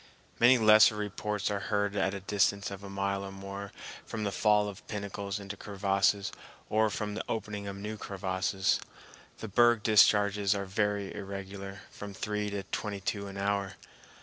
Many lesser reports are heard at a distance of a mile or more from the fall of pinnacles into crevasses or from the opening of new crevasses. The berg discharges are very irregular, from three to twenty two an hour.